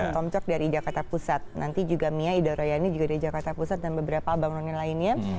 tom cok dari jakarta pusat nanti juga mia idha royani juga dari jakarta pusat dan beberapa abang noni lainnya